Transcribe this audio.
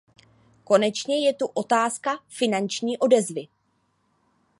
Konečně je tu otázka finanční odezvy.